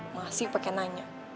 masih pake nanya